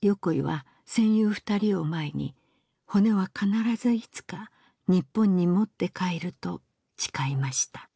横井は戦友二人を前に骨は必ずいつか日本に持って帰ると誓いました